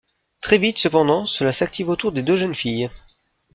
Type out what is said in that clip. Très vite, cependant, cela s'active autour des deux jeunes filles.